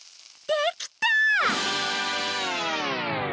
できた！